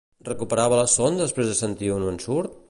Recuperava la son després de sentir un ensurt?